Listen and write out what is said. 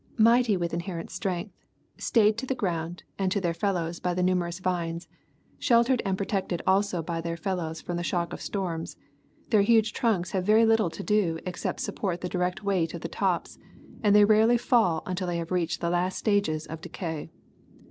Mighty with inherent strength, stayed to the Across Nicaragua with Transit and Machete. 329 ground aud to their fellows by the numerous vines, sheltered and protected also by their fellows from the shock of storms, their huge trunks have little to do except support the direct weight of the tops, and they rarely fall until they have reached the last stages of decay.